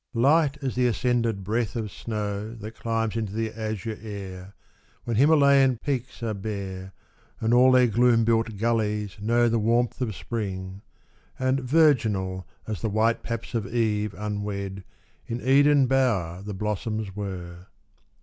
LIGHT as the ascended breath of snow That chmbs into the azure air, When Himalayan peaks are bare, And all their gloom built gullies know The warmth of spring, — and virginal As the white paps of Eve unwed In Eden bower the blossoms were.